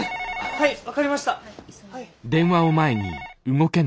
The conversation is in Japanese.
☎はい分かりました。